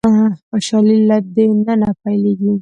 خوشالي له د ننه پيلېږي.